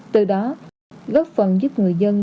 từ đó góp phần giúp người dân